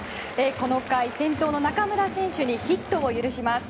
この回先頭の中村選手にヒットを許します。